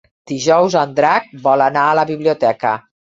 Dijous en Drac vol anar a la biblioteca.